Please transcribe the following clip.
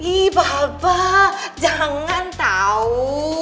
ih papa jangan tau